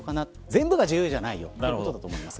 全部が自由じゃないよということだと思います。